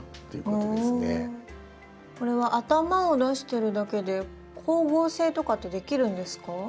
これは頭を出してるだけで光合成とかってできるんですか？